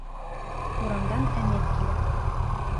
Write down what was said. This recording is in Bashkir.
Урамдан Әмир килә.